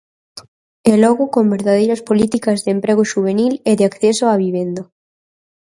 E logo con verdadeiras políticas de emprego xuvenil e de acceso á vivenda.